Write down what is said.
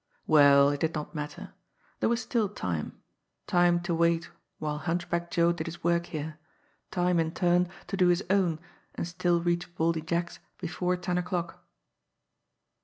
Well, it did not matter! There was still time time to wait while Hunchback Joe did his work here, time in turn to do his own and still reach Baldy Jack's before ten o'clock.